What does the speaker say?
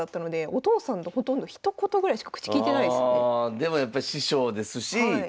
私でもやっぱり師匠ですし。